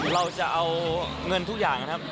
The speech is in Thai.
เราจะเอาเงินทุกอย่างนะครับ